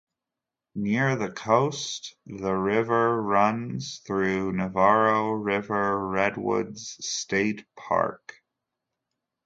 Near the coast the river runs through Navarro River Redwoods State Park.